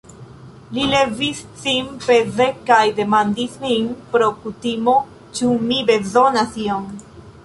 Li levis sin peze kaj demandis min, pro kutimo, ĉu mi bezonas ion.